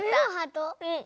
うん。